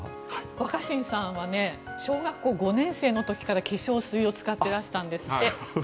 若新さんは小学校５年生の時から化粧水を使ってらしたんですって。